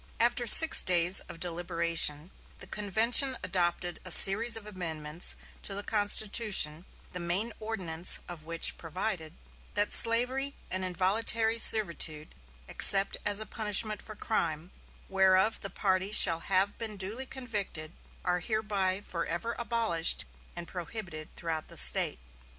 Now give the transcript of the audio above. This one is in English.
After six days of deliberation the convention adopted a series of amendments to the constitution, the main ordinance of which provided: "That slavery and involuntary servitude, except as a punishment for crime, whereof the party shall have been duly convicted, are hereby forever abolished and prohibited throughout the State."